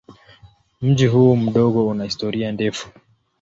Mji huu mdogo una historia ndefu.